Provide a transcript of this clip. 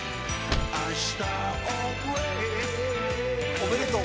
おめでとう。